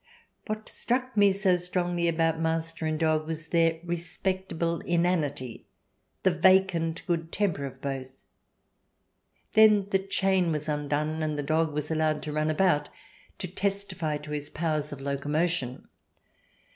... What struck me so strongly about master and dog was their respectable inanity, the vacant good temper of both. Then the chain was undone, and the dog was allowed to run about to testify to his powers of locomotion.